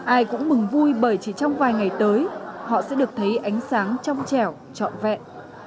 ai cũng mừng vui bởi chỉ trong vài ngày tới họ sẽ được thấy ánh sáng trong trẻo trọn vẹn